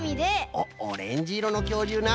おっオレンジいろのきょうりゅうな。